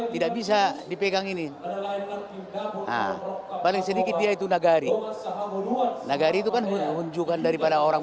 tidak bisa dipegang ini paling sedikit yaitu dagari dagari itu kan menunjukkan daripada orang